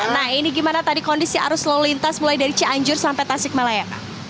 nah ini gimana tadi kondisi arus lalu lintas mulai dari cianjur sampai tasik malaya